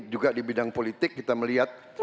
juga di bidang politik kita melihat